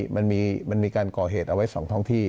มันมีการก่อเหตุเอาไว้๒ท้องที่